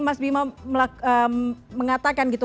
mas bima mengatakan gitu